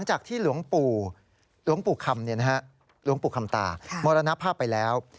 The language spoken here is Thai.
จากที่หลวงปู่คำตามรณภาพไปแล้ว